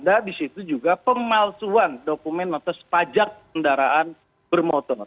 dan ada di situ juga pemalsuan dokumen notas pajak kendaraan bermotor